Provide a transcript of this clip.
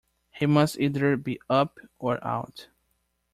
He must either be up or out.